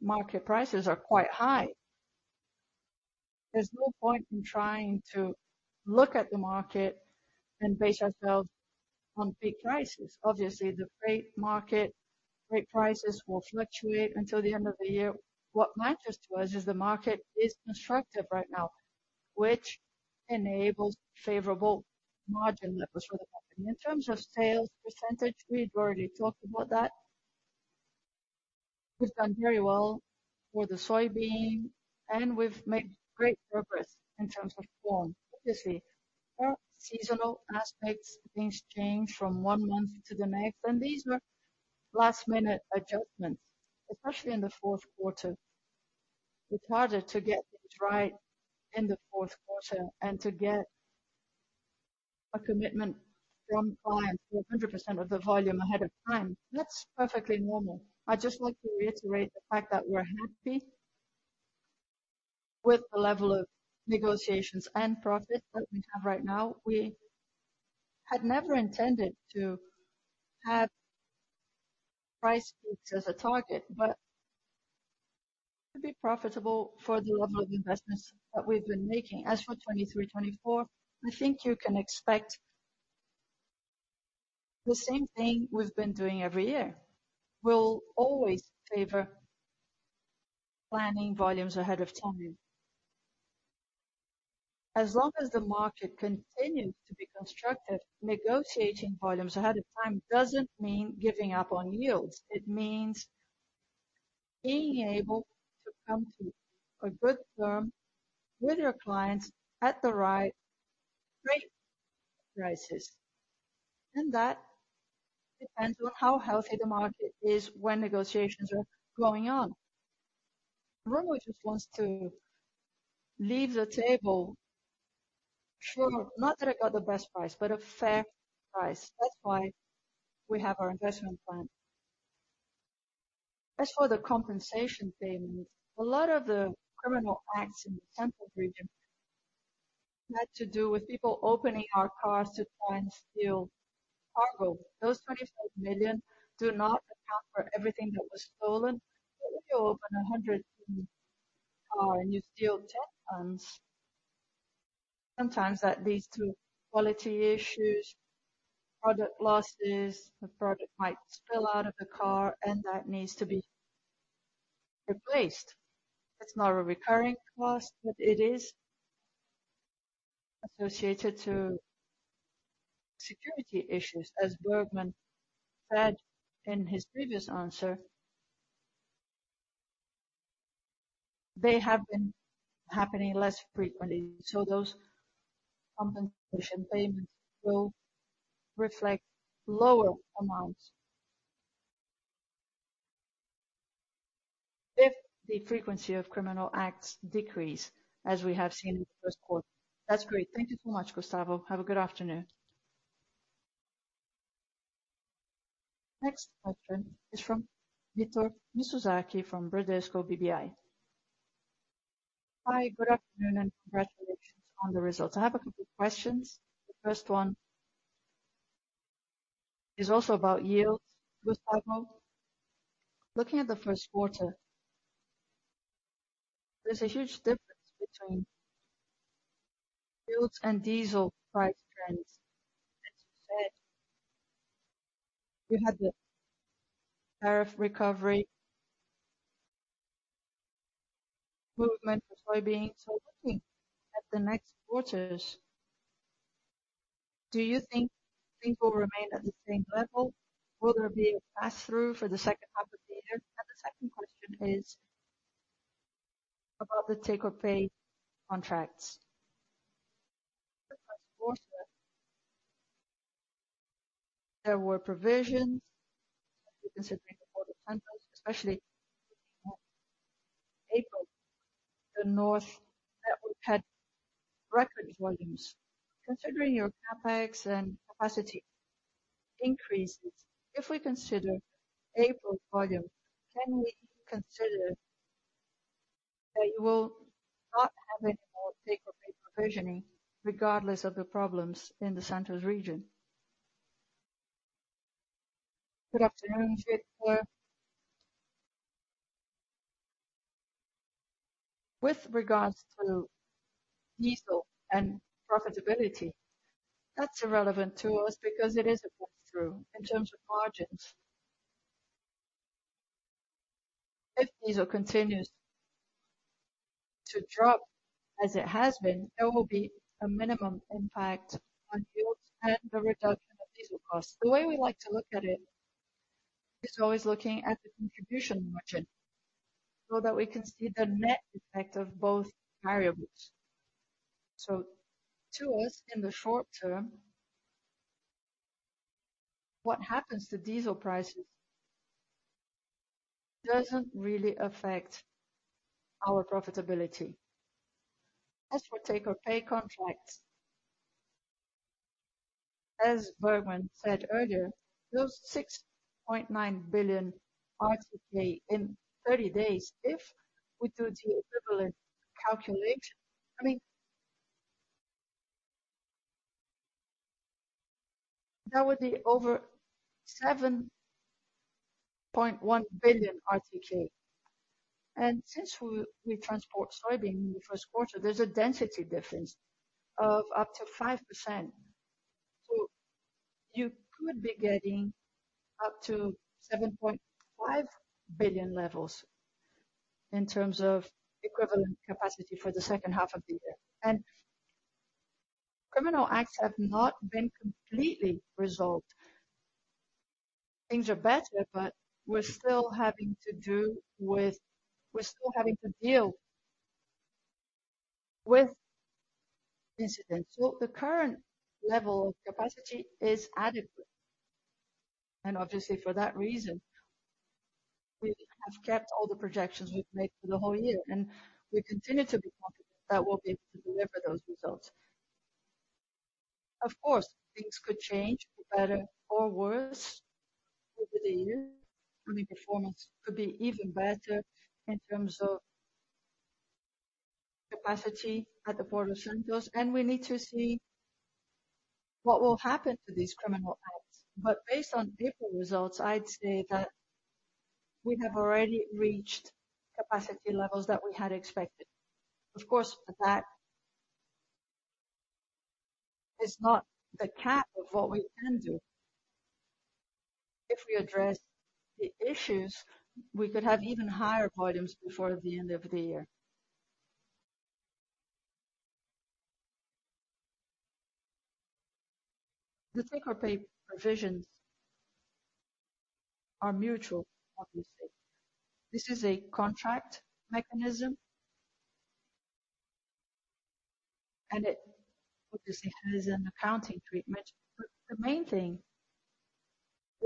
market prices are quite high. There's no point in trying to look at the market and base ourselves on peak prices. Obviously, the freight market, freight prices will fluctuate until the end of the year. What matters to us is the market is constructive right now, which enables favorable margin levels for the company. In terms of sales percentage, we've already talked about that. We've done very well for the soybean and we've made great progress in terms of corn. Obviously, there are seasonal aspects. Things change from one month to the next. These were last-minute adjustments, especially in the fourth quarter. It's harder to get things right in the fourth quarter and to get a commitment from clients for 100% of the volume ahead of time. That's perfectly normal. I just want to reiterate the fact that we're happy with the level of negotiations and profit that we have right now. We had never intended to have price peaks as a target, but to be profitable for the level of investments that we've been making. As for 2023, 2024, I think you can expect the same thing we've been doing every year. We'll always favor planning volumes ahead of time. As long as the market continues to be constructive, negotiating volumes ahead of time doesn't mean giving up on yields. It means being able to come to a good term with your clients at the right rate prices. That depends on how healthy the market is when negotiations are going on. Bunge just wants to leave the table sure of not that I got the best price, but a fair price. That's why we have our investment plan. As for the compensation payments, a lot of the criminal acts in the central region had to do with people opening our cars to try and steal cargo. Those 24 million do not account for everything that was stolen. When you open 100 car and you steal 10 tons, sometimes that leads to quality issues. Product losses. The product might spill out of the car, and that needs to be replaced. That's not a recurring cost, but it is associated to security issues. As Bergman said in his previous answer. They have been happening less frequently, so those compensation payments will reflect lower amounts. If the frequency of criminal acts decrease as we have seen in the first quarter. That's great. Thank you so much, Gustavo. Have a good afternoon. Question is from Victor Mizusaki from Bradesco BBI. Hi, good afternoon and congratulations on the results. I have a couple of questions. The first one is also about yields. Gustavo, looking at the first quarter, there's a huge difference between yields and diesel price trends. As you said, you had the tariff recovery movement for soybeans. Looking at the next quarters, do you think things will remain at the same level? Will there be a pass-through for the second half of the year? The second question is about the take-or-pay contracts. In the first quarter, there were provisions considering the port of Santos, especially in April, the north network had record volumes. Considering your CapEx and capacity increases, if we consider April volume, can we consider that you will not have any more take-or-pay provisioning regardless of the problems in the Santos region? Good afternoon to you, Victor. With regards to diesel and profitability, that's irrelevant to us because it is a pass-through in terms of margins. If diesel continues to drop as it has been, there will be a minimum impact on yields and the reduction of diesel costs. The way we like to look at it is always looking at the contribution margin so that we can see the net effect of both variables. To us, in the short term, what happens to diesel prices doesn't really affect our profitability. As for take-or-pay contracts, as Bergman said earlier, those 6.9 billion RTK in 30 days, if we do the equivalent calculation, I mean, that would be over 7.1 billion RTK. Since we transport soybeans in the first quarter, there's a density difference of up to 5%. You could be getting up to 7.5 billion levels in terms of equivalent capacity for the second half of the year. Criminal acts have not been completely resolved. Things are better, but we're still having to deal with incidents. The current level of capacity is adequate. Obviously for that reason, we have kept all the projections we've made for the whole year, and we continue to be confident that we'll be able to deliver those results. Of course, things could change for better or worse over the year. I mean, performance could be even better in terms of capacity at the port of Santos, and we need to see what will happen to these criminal acts. Based on April results, I'd say that we have already reached capacity levels that we had expected. Of course, that is not the cap of what we can do. If we address the issues, we could have even higher volumes before the end of the year. The take-or-pay provisions are mutual, obviously. This is a contract mechanism. It obviously has an accounting treatment. The main thing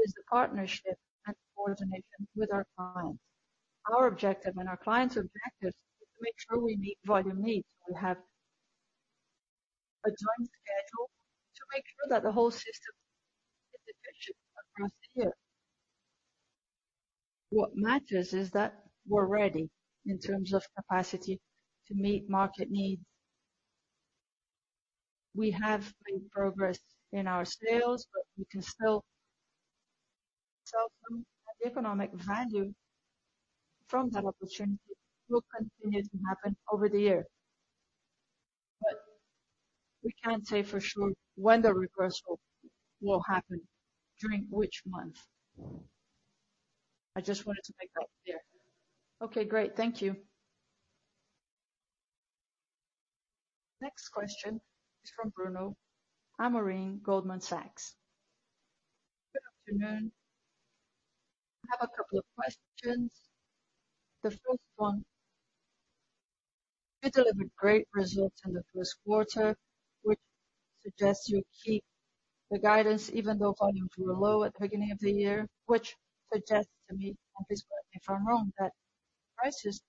is the partnership and coordination with our clients. Our objective and our clients' objective is to make sure we meet volume needs. We have a time schedule to make sure that the whole system is efficient across the year. What matters is that we're ready in terms of capacity to meet market needs. We have made progress in our sales, but we can still sell some economic value from that opportunity will continue to happen over the year. We can't say for sure when the reversal will happen, during which month. I just wanted to make that clear. Okay, great. Thank you. Next question is from Bruno Amorim, Goldman Sachs. Good afternoon. I have a couple of questions. The first one, you delivered great results in the first quarter, which suggests you keep the guidance even though volumes were low at the beginning of the year, which suggests to me, obviously I may be wrong, that prices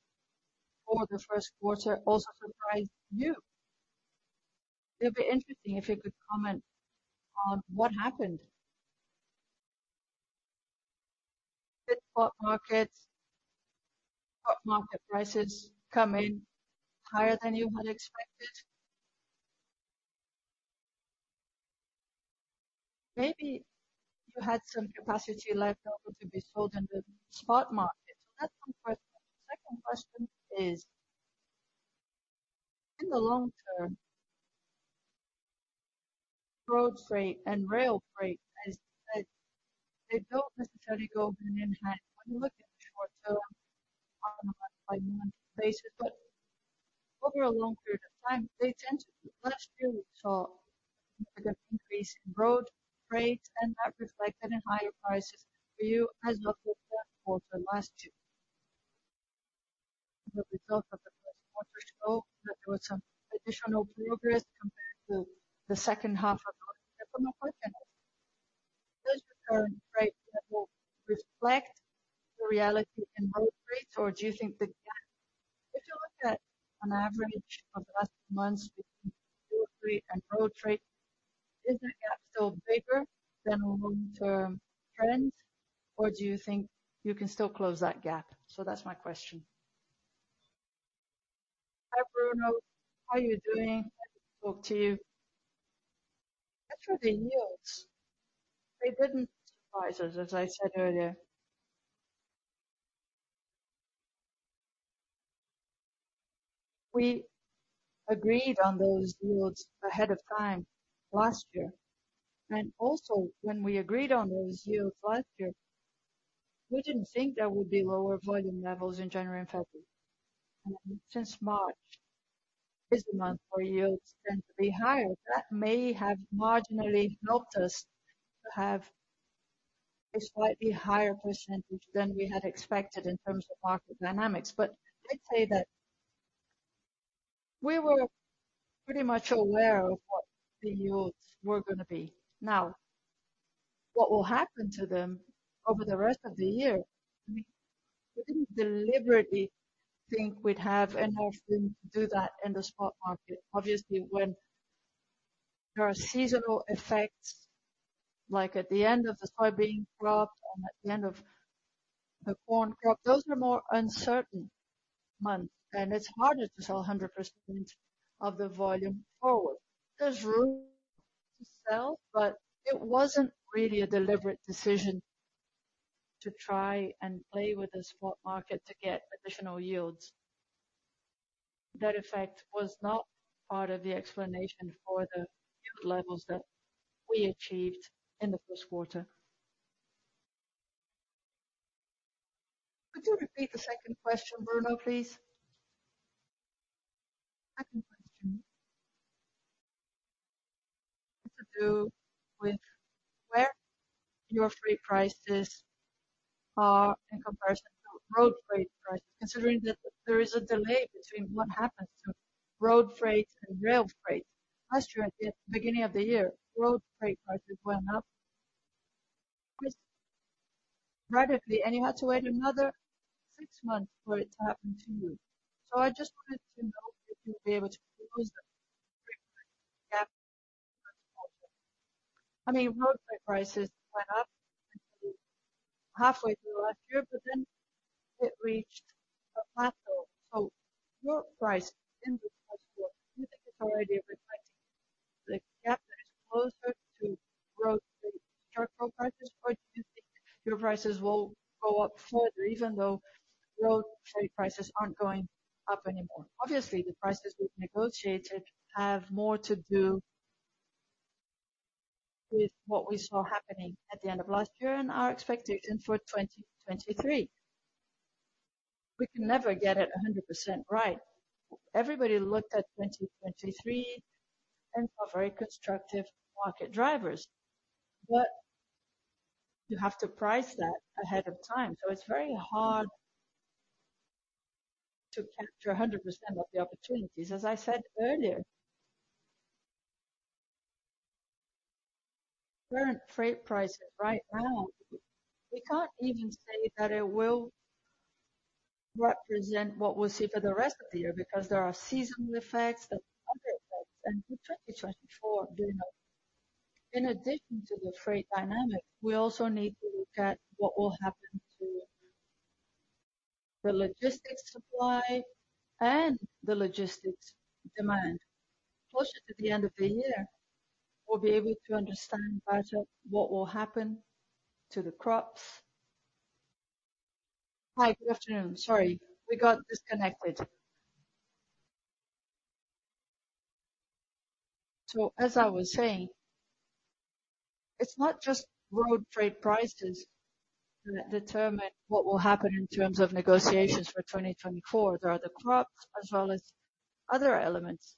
over the first quarter also surprised you. It would be interesting if you could comment on what happened. Did spot market prices come in higher than you had expected? Maybe you had some capacity left over to be sold in the spot market. That's one question. The second question is, in the long term, road freight and rail freight, as they don't necessarily go hand in hand. When you look at the short term, they are on a month-by-month basis, but over a long period of time, they tend to. Last year, we saw a significant increase in road rates, and that reflected in higher prices for you, as well as the quarter last year. The result of the first quarter showed that there was some additional progress compared to the second half of last year. My question is, does the current rate level reflect the reality in road rates, or do you think the gap... If you look at an average of the last months between your rate and road rate, is the gap still bigger than a long-term trend, or do you think you can still close that gap? That's my question. Hi, Bruno. How are you doing? Happy to talk to you. Actually, yields, they didn't surprise us, as I said earlier. We agreed on those yields ahead of time last year. Also, when we agreed on those yields last year, we didn't think there would be lower volume levels in January and February. Since March is the month where yields tend to be higher, that may have marginally helped us to have a slightly higher percentage than we had expected in terms of market dynamics. I'd say that we were pretty much aware of what the yields were gonna be. What will happen to them over the rest of the year. I mean, we didn't deliberately think we'd have enough room to do that in the spot market. When there are seasonal effects, like at the end of the soybean crop and at the end of the corn crop, those are more uncertain months, and it's harder to sell 100% of the volume forward. There's room to sell, but it wasn't really a deliberate decision to try and play with the spot market to get additional yields. That effect was not part of the explanation for the yield levels that we achieved in the first quarter. Could you repeat the second question, Bruno, please? Second question. Has to do with where your free prices are in comparison to road freight prices, considering that there is a delay between what happens to road freight and rail freight. Last year at the beginning of the year, road freight prices went up rapidly, and you had to wait another six months for it to happen to you. I just wanted to know if you would be able to close the gap. I mean, road freight prices went up halfway through last year, but then it reached a plateau. Your price in this first quarter, do you think it's already reflecting the gap that is closer to road freight charcoal prices? Do you think your prices will go up further even though road freight prices aren't going up anymore? Obviously, the prices we've negotiated have more to do with what we saw happening at the end of last year and our expectations for 2023. We can never get it 100% right. Everybody looked at 2023 and saw very constructive market drivers. You have to price that ahead of time. It's very hard to capture 100% of the opportunities. As I said earlier, current freight prices right now, we can't even say that it will represent what we'll see for the rest of the year because there are seasonal effects, there are other effects. For 2024, do you know, in addition to the freight dynamic, we also need to look at what will happen to the logistics supply and the logistics demand. Closer to the end of the year, we'll be able to understand better what will happen to the crops. Hi, good afternoon. Sorry, we got disconnected. As I was saying, it's not just road freight prices that determine what will happen in terms of negotiations for 2024. There are the crops as well as other elements.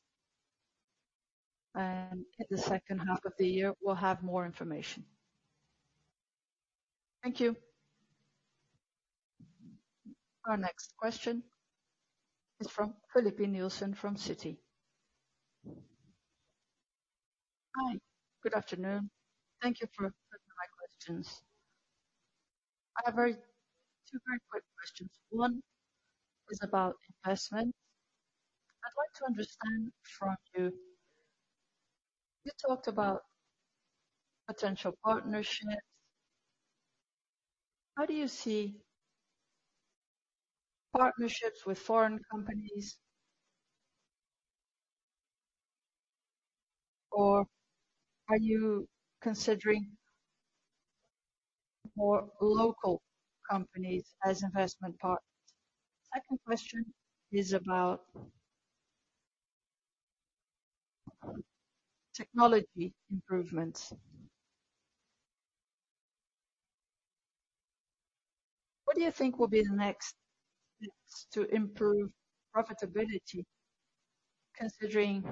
In the second half of the year, we'll have more information. Thank you. Our next question is from Filipe Nielsen from Citi. Hi, good afternoon. Thank you for taking my questions. I have two very quick questions. One is about investment. I'd like to understand from you talked about potential partnerships. How do you see partnerships with foreign companies? Are you considering more local companies as investment partners? Second question is about technology improvements. What do you think will be the next steps to improve profitability considering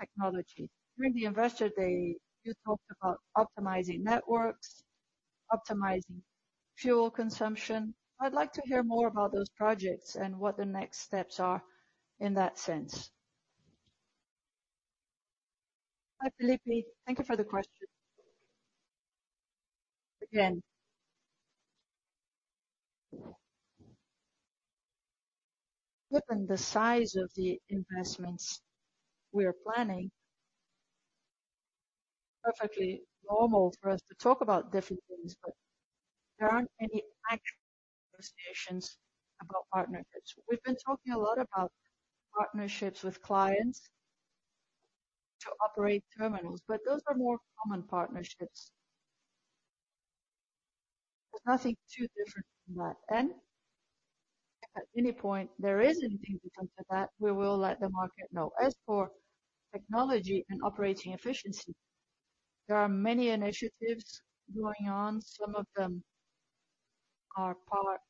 technology? During the investor day, you talked about optimizing networks, optimizing fuel consumption. I'd like to hear more about those projects and what the next steps are in that sense. Hi, Filipe. Thank you for the question. Given the size of the investments we are planning, perfectly normal for us to talk about different things, but there aren't any actual negotiations about partnerships. We've been talking a lot about partnerships with clients to operate terminals, but those are more common partnerships. There's nothing too different from that. If at any point there is anything to come to that, we will let the market know. As for technology and operating efficiency, there are many initiatives going on. Some of them are part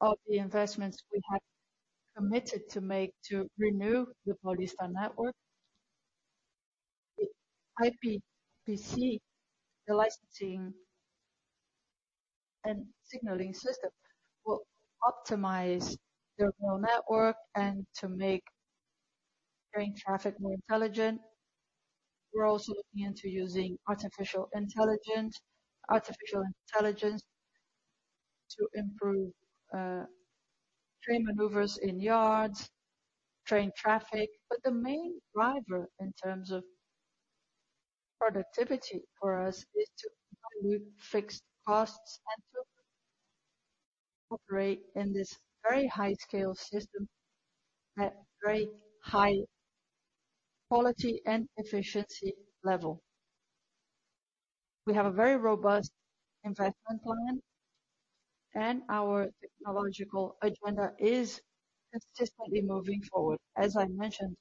of the investments we have committed to make to renew the Paulista network. The IPTC, the licensing and signaling system, will optimize the rail network and to make train traffic more intelligent. We're also looking into using artificial intelligence to improve train maneuvers in yards, train traffic. The main driver in terms of productivity for us is to reduce fixed costs and to operate in this very high scale system at very high quality and efficiency level. We have a very robust investment plan, our technological agenda is consistently moving forward. As I mentioned,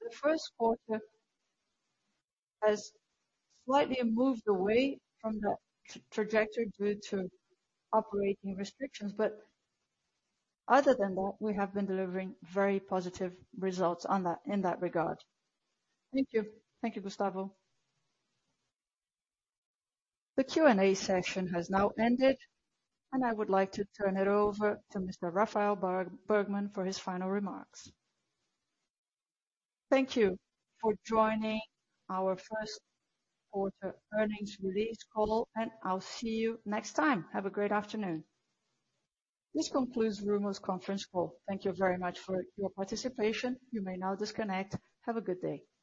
the first quarter has slightly moved away from that trajectory due to operating restrictions. Other than that, we have been delivering very positive results on that, in that regard. Thank you. Thank you, Gustavo. The Q&A session has now ended, and I would like to turn it over to Mr. Rafael Bergman for his final remarks. Thank you for joining our first quarter earnings release call, and I'll see you next time. Have a great afternoon. This concludes VLI's conference call. Thank you very much for your participation. You may now disconnect. Have a good day.